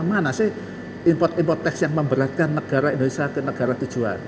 mana sih import importeks yang memberatkan negara indonesia ke negara tujuan